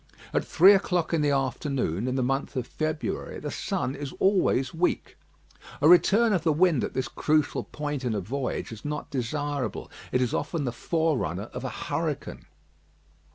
At three o'clock in the afternoon, in the month of February, the sun is always weak. A return of the wind at this critical point in a voyage is not desirable. It is often the forerunner of a hurricane.